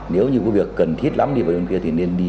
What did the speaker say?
nếu như có việc cần thiết lắm đi vào đêm khuya thì nên đi